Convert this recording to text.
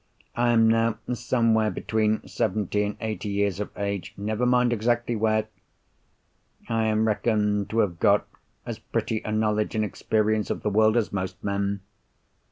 I am now somewhere between seventy and eighty years of age—never mind exactly where! I am reckoned to have got as pretty a knowledge and experience of the world as most men.